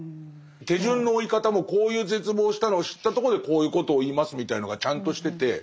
手順の追い方も「こういう絶望をしたのを知ったとこでこういうことを言います」みたいのがちゃんとしてて。